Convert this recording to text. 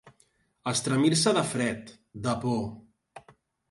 Estremir-se de fred, de por.